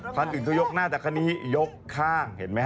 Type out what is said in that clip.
คันอื่นเขายกหน้าแต่คันนี้ยกข้างเห็นไหมฮ